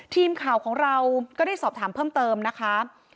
ทีมข่าวของเราก็ได้สอบถามเพิ่มเติมนะคะ